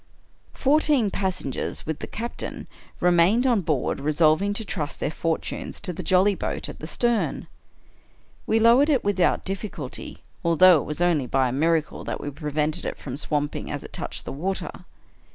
Fourteen passengers, with the captain, remained on board, resolving to trust their fortunes to the jolly boat at the stern. We lowered it without difficulty, although it was only by a miracle that we prevented it from swamping as it touched the water.